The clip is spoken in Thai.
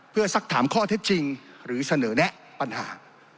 เพื่อสักถามข้อเท็จจริงหรือเสนอแนะปัญหา